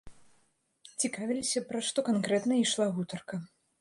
Цікавіліся, пра што канкрэтна ішла гутарка.